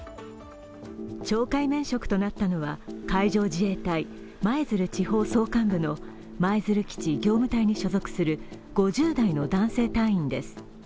懲戒免職となったのは海上自衛隊・舞鶴地方総監部の舞鶴基地業務隊に所属する５０代の男性隊員です。